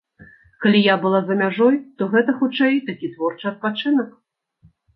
Калі я была за мяжой, то гэта, хутчэй, такі творчы адпачынак.